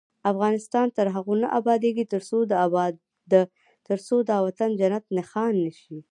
افغانستان تر هغو نه ابادیږي، ترڅو دا وطن جنت نښان نشي.